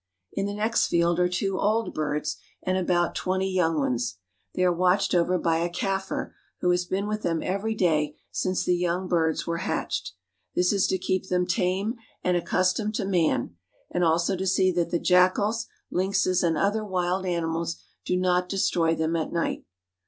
In the next field are two old birds and about twenty ' yoiing ones. They are watched over' by a Kaflfir, who has been with them every day since the young birds were hatched. This is to keep them tamie and accustomed to man, and also to see that the jackals, lynxes, and other wild animals do not destroy them at night.